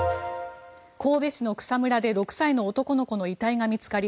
神戸市の草むらで６歳の男の子の遺体が見つかり